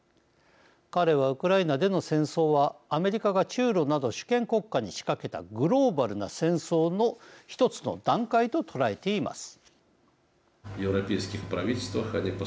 彼はウクライナでの戦争はアメリカが中ロなど主権国家に仕掛けたグローバルな戦争の一つの段階と捉えています。